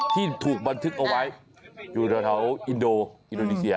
ที่ถูกบันทึกเอาไว้อยู่แถวอินโดอินโดนีเซีย